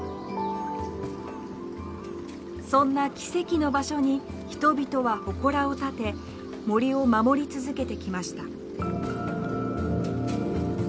そんな奇跡の場所に人々はほこらを建て森を守り続けてきました。